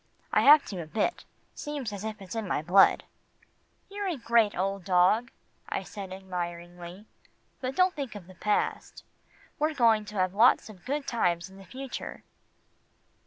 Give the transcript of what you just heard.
I have to a bit, seems as if it's in my blood." "You're a great old dog," I said admiringly, "but don't think of the past. We're going to have lots of good times in the future."